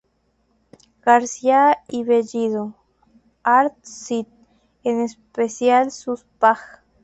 García y Bellido, "art.cit"., en especial sus págs.